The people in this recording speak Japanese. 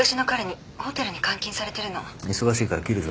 忙しいから切るぞ。